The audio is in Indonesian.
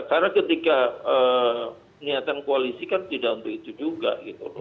karena ketika niatan koalisi kan tidak untuk itu juga gitu loh